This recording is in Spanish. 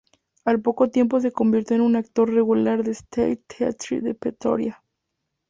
Al poco tiempo se convirtió en un actor regular del State Theatre de Pretoria.